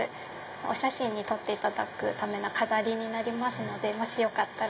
お写真に撮っていただくための飾りになりますのでよかったら。